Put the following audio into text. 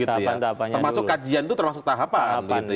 termasuk kajian itu termasuk tahapan